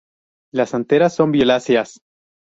Las anteras son violáceas.